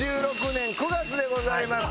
２０１６年９月でございます。